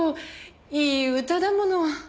いい歌だもの。